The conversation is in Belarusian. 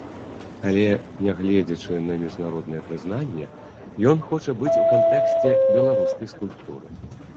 Але нягледзячы на міжнароднае прызнанне ён хоча быць у кантэксце беларускай скульптуры.